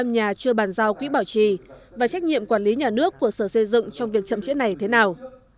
hai trăm ba mươi năm nhà chưa bàn giao quỹ bảo trì và trách nhiệm quản lý nhà nước của sở xây dựng trong việc chậm trễ này thế nào